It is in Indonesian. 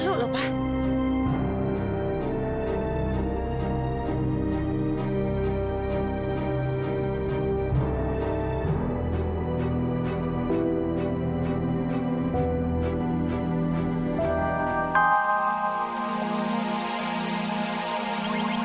penghubungan bayi ini